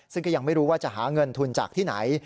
ซึ่งก็ยังไม่รู้ว่าจะหาเงินทุนจากที่ไหน